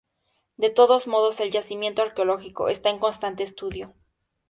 De todos modos, el yacimiento arqueológico está en constante estudio.